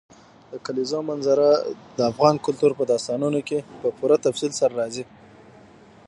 د کلیزو منظره د افغان کلتور په داستانونو کې په پوره تفصیل سره راځي.